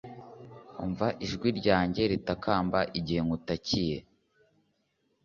umva ijwi ryanjye ritakamba igihe ngutakiye